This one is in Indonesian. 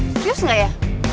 serius gak ya